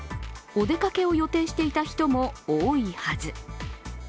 お出かけを予定していた人も多いはず。